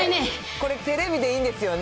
これ、テレビでいいんですよね？